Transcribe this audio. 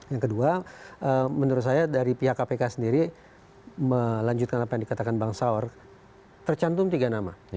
yang kedua menurut saya dari pihak kpk sendiri melanjutkan apa yang dikatakan bang saur tercantum tiga nama